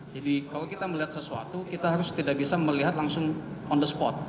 jadi kalau kita melihat sesuatu kita harus tidak bisa melihat langsung on the spot